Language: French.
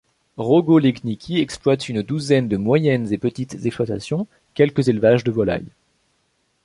Rogów Legnicki exploite une douzaine de moyennes et petites exploitations, quelques élevages de volailles.